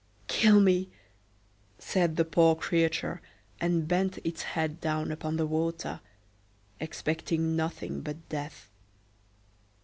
"Kill me!" said the poor creature, and bent its head down upon the water, expecting nothing but death.